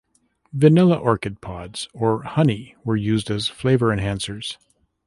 Vanilla orchid pods or honey were used as flavor enhancers.